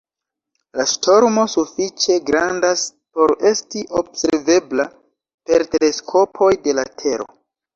La ŝtormo sufiĉe grandas por esti observebla per teleskopoj de la Tero.